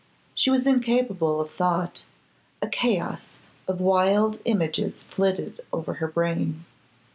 She was incapable of thought; a chaos of wild images flitted over her brain.